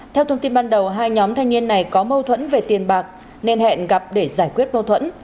theo thông tin ban đầu hai nhóm thanh niên này có mâu thuẫn về tiền bạc nên hẹn gặp để giải quyết mâu thuẫn